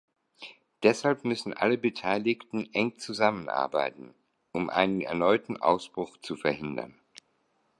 Deshalb müssen alle Beteiligten eng zusammenarbeiten, um einen erneuten Ausbruch zu verhindern.